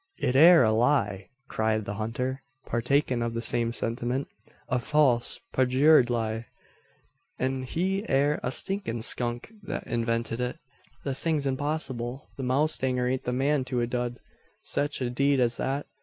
"It air a lie!" cried the hunter, partaking of the same sentiment: "a false, parjured lie! an he air a stinkin' skunk that invented it. The thing's impossible. The mowstanger ain't the man to a dud sech a deed as that.